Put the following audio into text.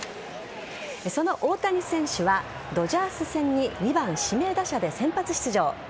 その大谷選手は、ドジャース戦に２番・指名打者で先発出場。